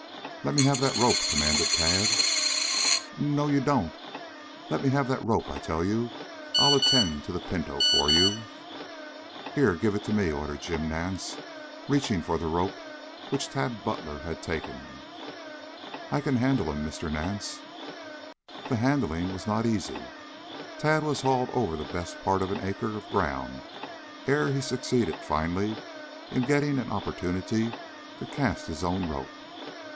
"Let me have that rope," commanded Tad. "N n no you don't." "Let me have that rope, I tell you. I'll attend to the pinto for you." "Here, give it to me," ordered Jim Nance, reaching for the rope which Tad Butler had taken. "I can handle him, Mr. Nance." The "handling" was not easy. Tad was hauled over the best part of an acre of ground ere he succeeded finally in getting an opportunity to cast his own rope.